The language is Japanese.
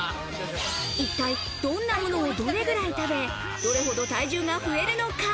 一体どんなものをどれくらい食べ、どれほど体重が増えるのか。